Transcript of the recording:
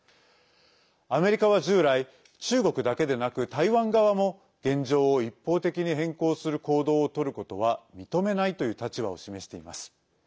アメリカは従来中国だけでなく台湾側も現状を一方的に変更する行動をとることは認めないという立場を示しています。